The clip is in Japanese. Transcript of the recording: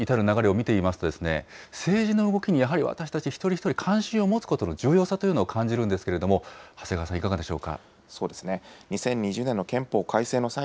今回の侵攻に至る流れを見てみますと、政治の動きにやはり私たち一人一人、関心を持つことの重要さというのを感じるんですけれども、長谷川さん、いかがでしょうか。